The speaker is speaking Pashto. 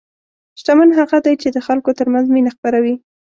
شتمن هغه دی چې د خلکو ترمنځ مینه خپروي.